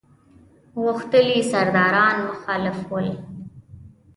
غښتلي سرداران مخالف ول.